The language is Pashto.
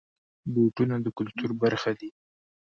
بوټونه د کلتور برخه دي.